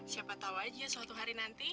siapa tahu aja suatu hari nanti